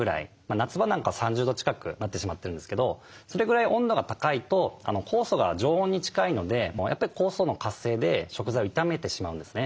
夏場なんか３０度近くなってしまってるんですけどそれぐらい温度が高いと酵素が常温に近いのでやっぱり酵素の活性で食材を傷めてしまうんですね。